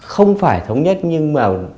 không phải thống nhất nhưng mà